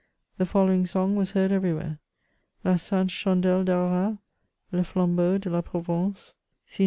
The following song was heard everywhere: — La sainte chandelle d' Arras, Le flambeau de la Provence, CHATEAUBRIAND.